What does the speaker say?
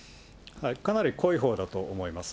かなり濃いほうだと思います。